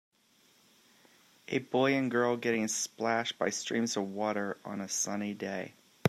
A boy and girl getting splashed by streams of water on a sunny day.